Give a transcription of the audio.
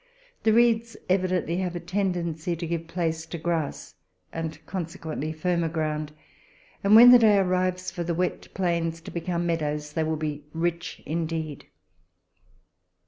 The reeds evidently have a ten dency to give place to grass, and consequently firmer ground, and when the day arrives for the wet plains to become meadows they will be rich indeed.